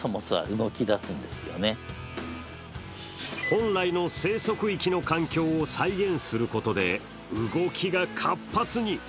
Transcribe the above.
本来の生息域の環境を再現することで動きが活発に。